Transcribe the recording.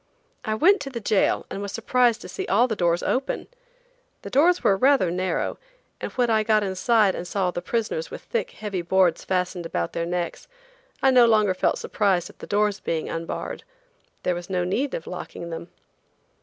I went to the jail and was surprised to see all the doors open. The doors were rather narrow, and when I got inside and saw all the prisoners with thick, heavy boards fastened about their necks, I no longer felt surprised at the doors being unbarred. There was no need of locking them.